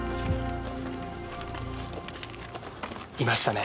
いましたね。